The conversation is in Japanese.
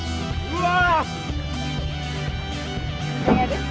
うわ！